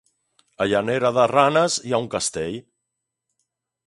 A Llanera de Ranes hi ha un castell?